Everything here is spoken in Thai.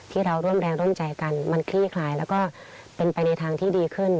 ที่เราร่วมแรงร่วมใจกันมันคลี่คลายแล้วก็เป็นไปในทางที่ดีขึ้น